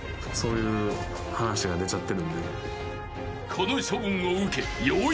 ［この処分を受け］